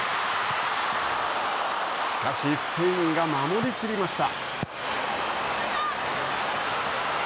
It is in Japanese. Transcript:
しかし、スペインが守りきりました。